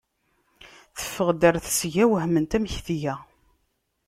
Teffeɣ-d ɣer tesga, wehment amek tga.